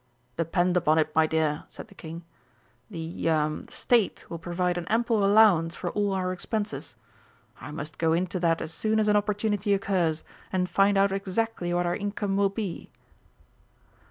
"Depend upon it, my dear," said the King, "the ah State will provide an ample allowance for all our expenses. I must go into that as soon as an opportunity occurs, and find out exactly what our income will be."